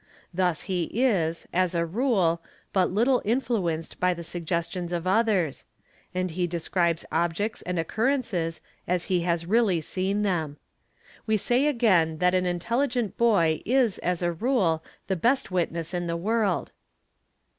Thus a is, as a rule, but little influenced by the suggestions of others, and he i les ribes objects and occurrences as he has really seen them. We say Q gain that an intelligent boy is as a rule the best witness in the world.